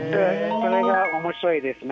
それがおもしろいですね。